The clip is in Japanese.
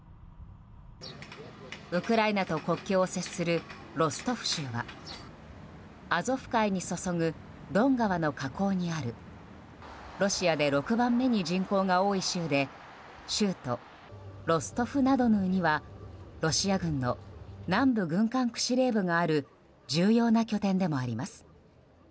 ウクライナと国境を接するロストフ州はアゾフ海に注ぐドン川の河口にあるロシアで６番目に人口が多い州で州都ロストフナドヌーにはロシア軍の南部軍管区司令部がある重要な拠点でもあります。